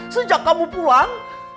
sejak kamu pulang